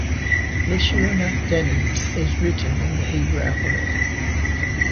Lishana Deni is written in the Hebrew alphabet.